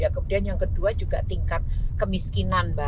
kemudian yang kedua juga tingkat kemiskinan mbak